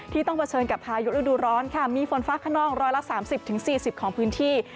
ต้องเผชิญกับพายุฤดูร้อนค่ะมีฝนฟ้าขนองร้อยละ๓๐๔๐ของพื้นที่